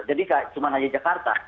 jadi nggak cuma hanya jakarta